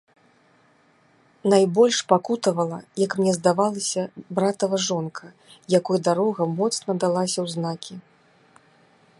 Найбольш пакутавала, як мне здавалася, братава жонка, якой дарога моцна далася ў знакі.